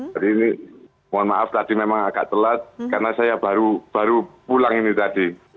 ini mohon maaf tadi memang agak telat karena saya baru pulang ini tadi